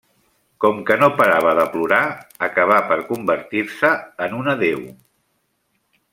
Com que no parava de plorar, acaba per convertir-se en una deu.